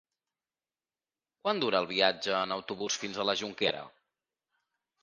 Quant dura el viatge en autobús fins a la Jonquera?